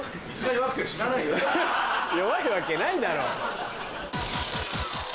弱いわけないだろ。